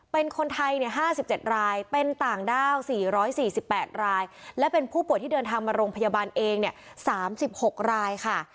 เป็นคนไทยเนี่ยห้าสิบเจ็ดรายเป็นต่างด้าวสี่ร้อยสี่สิบแปดรายและเป็นผู้ป่วยที่เดินทางมาโรงพยาบาลเองเนี่ยสามสิบหกรายค่ะ